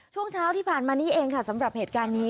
ช่วงเช้าที่ผ่านมานี้เองค่ะสำหรับเหตุการณ์นี้